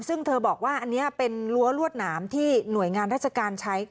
ซึ่งเธอบอกว่าอันนี้เป็นรั้วรวดหนามที่หน่วยงานราชการใช้